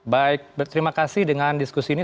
baik terima kasih dengan diskusi ini